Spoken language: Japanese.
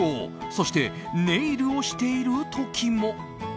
そしてネイルをしている時も。